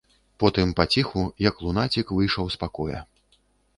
Потым паціху, як лунацік, выйшаў з пакоя.